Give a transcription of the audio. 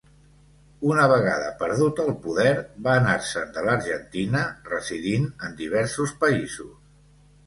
Una vegada perdut el poder, va anar-se'n de l'Argentina, residint en diversos països.